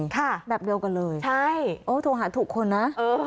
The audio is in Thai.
ค่ะใช่โทรหาถูกคนนะแบบเดียวกันเลยเออโทรหาถูกคนนะ